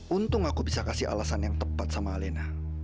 untung aku bisa kasih alasan yang tepat sama alena